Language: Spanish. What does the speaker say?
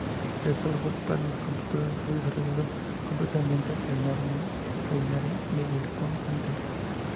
El software para los computadores fue desarrollado completamente en el Arnold Engineering Development Center.